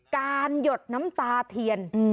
หยดน้ำตาเทียน